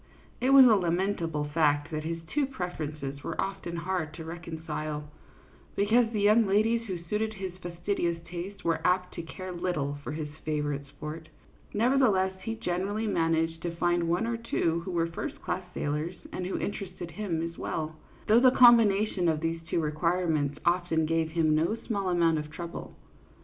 It was a lamentable fact that his two preferences were often hard to reconcile, because the young ladies who suited his fastidious taste were apt to care little for his favorite sport ; nevertheless, he generally man aged to find one or two who were first class sailors and who interested him as well, though the combi nation of these two requirements often gave him no small amount of trouble.